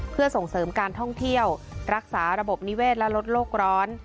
เพื่อส่งเสริมการท่องเที่ยวรักษาระบบนิเวศและลดโลกร้อน